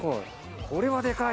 これはでかい！